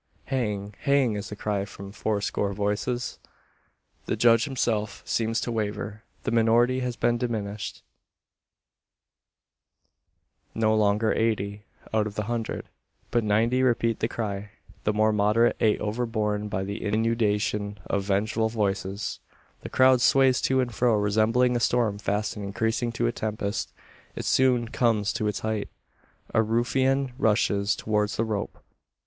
"Hang! hang!" is the cry from fourscore voices. The judge himself seems to waver. The minority has been diminished no longer eighty, out of the hundred, but ninety repeat the cry. The more moderate are overborne by the inundation of vengeful voices. The crowd sways to and fro resembling a storm fast increasing to a tempest. It soon comes to its height. A ruffian rushes towards the rope.